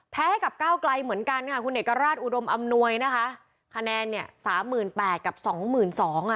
ให้กับก้าวไกลเหมือนกันค่ะคุณเอกราชอุดมอำนวยนะคะคะแนนเนี่ยสามหมื่นแปดกับสองหมื่นสองอ่ะ